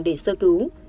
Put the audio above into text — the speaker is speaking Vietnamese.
để sơ cứu